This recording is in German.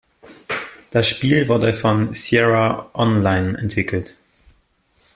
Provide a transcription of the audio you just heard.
Das Spiel wurde von Sierra On-Line entwickelt.